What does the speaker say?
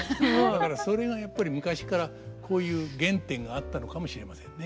だからそれがやっぱり昔っからこういう原点があったのかもしれませんね